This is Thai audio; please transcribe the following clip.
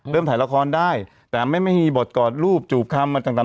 เริ่มถ่ายละครได้แต่ไม่ไม่มีบทกอดรูปจูบคำจังจัง